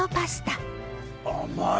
甘い！